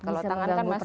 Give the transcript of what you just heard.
kalau tangan kan masih